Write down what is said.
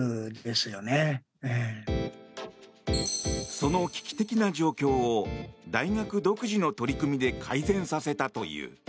その危機的な状況を大学独自の取り組みで改善させたという。